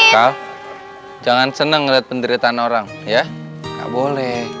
kal jangan seneng ngeliat penderitaan orang ya gak boleh